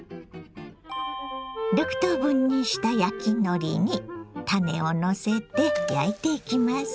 ６等分にした焼きのりにたねをのせて焼いていきます。